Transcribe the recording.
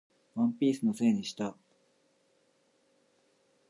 ワンピースのせいにした